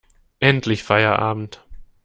Endlich Feierabend!